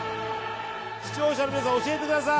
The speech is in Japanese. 視聴者の皆さん教えてください！